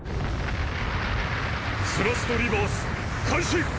スラスト・リバース開始！